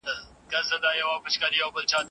زۀ مسلمان لالي ته فکر وړې یمه